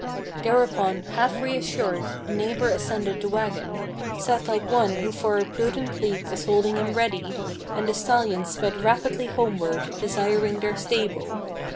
Thereupon, half reassured, the neighbor ascended the wagon, Sat like one who for a prudent leap is holding him ready, And the stallions sped rapidly homeward, desiring their stable.